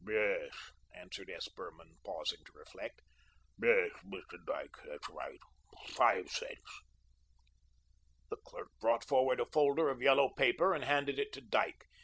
"Yes," answered S. Behrman, pausing to reflect; "yes, Mr. Dyke, that's right five cents." The clerk brought forward a folder of yellow paper and handed it to Dyke.